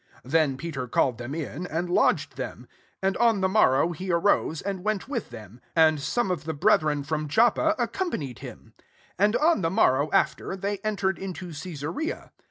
23 Then Peter called them in, and lodged them. And on the morrow he arose, and went with them ; and some of the breth ren from Joppa accompanied hinu 24 And on the morrow aftcTf they entered into Cesarea.